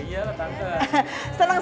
iya lah tante